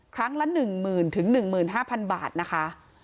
ครั้งละ๑๐๐๐๑๕๐๐๐บาทนะคะ